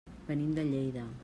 Venim de Lleida.